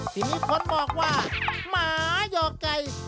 ที่มีคนบอกว่าหมาหยอกไก่